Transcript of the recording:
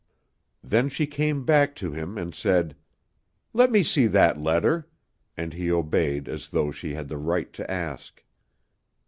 Then she came back to him and said, "Let me see that letter," and he obeyed as though she had the right to ask.